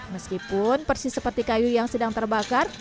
meskipun persis seperti kayu yang sedang terbakar